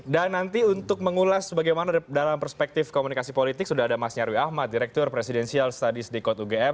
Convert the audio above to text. dan nanti untuk mengulas bagaimana dalam perspektif komunikasi politik sudah ada mas nyarwi ahmad direktur presidensial studies dekod ugm